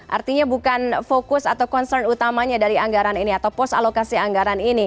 artinya bukan fokus atau concern utamanya dari anggaran ini atau pos alokasi anggaran ini